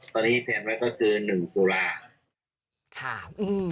ตอนนี้แทนใหม่ก็คือ๑ตุลาคม